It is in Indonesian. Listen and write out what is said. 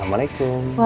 jangan preng cek